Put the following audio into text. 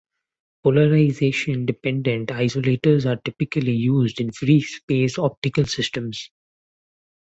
Polarization dependent isolators are typically used in free space optical systems.